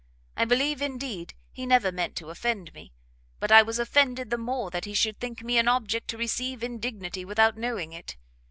I believe, indeed, he never meant to offend me; but I was offended the more that he should think me an object to receive indignity without knowing it.